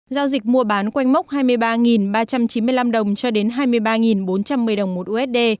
giao dịch mua bán quanh mốc hai mươi ba ba trăm chín mươi năm đồng cho đến hai mươi ba bốn trăm một mươi đồng một usd